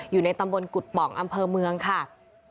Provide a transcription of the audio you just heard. อยู่ในตำบลกุฎป่องอำเภอเมืองค่ะ